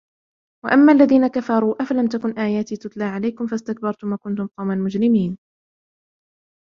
وأما الذين كفروا أفلم تكن آياتي تتلى عليكم فاستكبرتم وكنتم قوما مجرمين